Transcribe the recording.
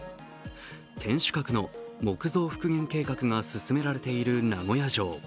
天守閣の木造復元計画が進められている名古屋城。